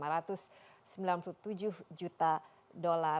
jepang dengan devisa sebesar lima ratus sembilan puluh tujuh juta dolar